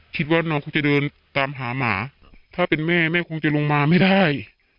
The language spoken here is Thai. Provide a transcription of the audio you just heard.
คิดว่าน้องคงจะเดินตามหาหมาถ้าเป็นแม่แม่คงจะลงมาไม่ได้